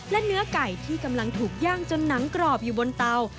และเนื้อไก่ที่กำลังถูกย่างจนหนังกรอบอยู่บนเตา